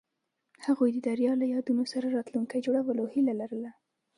هغوی د دریا له یادونو سره راتلونکی جوړولو هیله لرله.